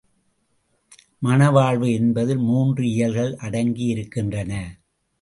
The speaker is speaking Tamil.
மணவாழ்வு என்பதில் மூன்று இயல்கள் அடங்கி இருக்கின்றன.